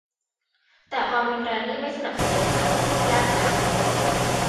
แต่ความรุนแรงนี่ไม่สนับสนุนนะ ยากจัง